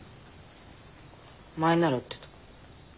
前なら打ってた。